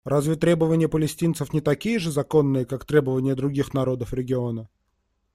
Разве требования палестинцев не такие же законные, как требования других народов региона?